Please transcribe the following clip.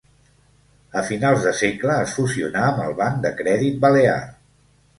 A finals de segle es fusionà amb el Banc de Crèdit Balear.